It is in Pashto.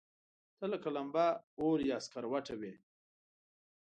ته لکه لمبه، اور يا سکروټه وې